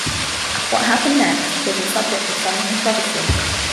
What happened next was a subject of some controversy.